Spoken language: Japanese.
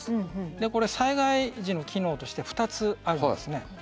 でこれ災害時の機能として２つあるんですね。